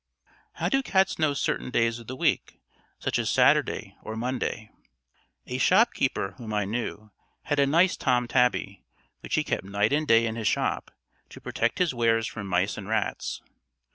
How do cats know certain days of the week, such as Saturday or Monday? A shopkeeper, whom I knew, had a nice Tom tabby, which he kept night and day in his shop, to protect his wares from mice and rats.